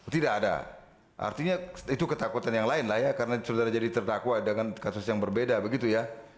tidak ada artinya itu ketakutan yang lain lah ya karena saudara jadi terdakwa dengan kasus yang berbeda begitu ya